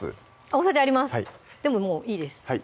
大さじありますでももういいです